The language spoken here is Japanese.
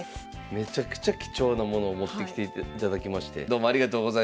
めちゃくちゃ貴重なものを持ってきていただきましてどうもありがとうございました。